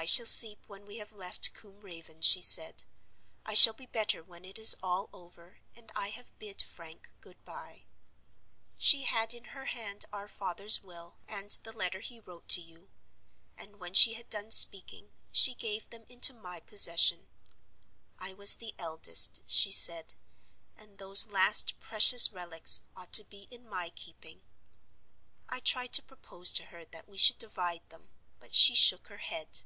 "'I shall sleep when we have left Combe Raven,' she said. 'I shall be better when it is all over, and I have bid Frank good by.' She had in her hand our father's will, and the letter he wrote to you; and when she had done speaking, she gave them into my possession. I was the eldest (she said), and those last precious relics ought to be in my keeping. I tried to propose to her that we should divide them; but she shook her head.